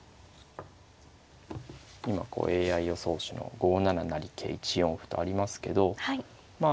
今ＡＩ予想手の５七成桂１四歩とありますけどまあ